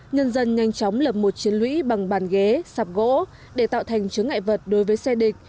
nhân dân nhanh chóng lập một chiến lũy bằng bàn ghế sạp gỗ để tạo thành chứa ngại vật đối với xe địch